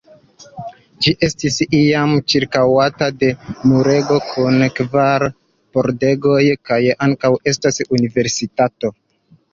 Ĝi estis iam ĉirkaŭata de murego kun kvar pordegoj kaj ankaŭ estas universitato.